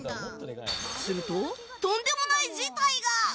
すると、とんでもない事態が！